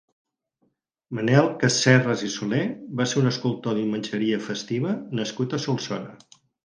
Manel Casserras i Solé va ser un escultor d'imatgeria festiva nascut a Solsona.